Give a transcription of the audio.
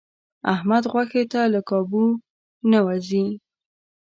احمد غوښې ته له کابو نه و ځي.